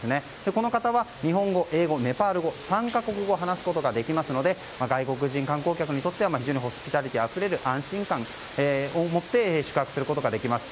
この方は、日本語、英語ネパール語の３か国語話すことができますので外国人観光客にとっては非常にホスピタリティーあふれる安心感を持って宿泊することができます。